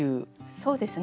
そうですね。